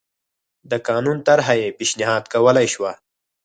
د قانون طرحه یې پېشنهاد کولای شوه